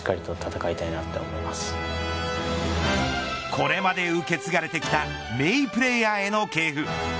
これまで受け継がれてきた名プレーヤーへの系譜。